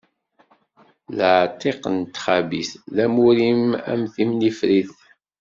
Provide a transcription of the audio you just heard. Laɛtiq n txabit, d amur-im a timnifrit.